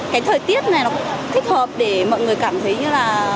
cái thời tiết này nó thích hợp để mọi người cảm thấy như là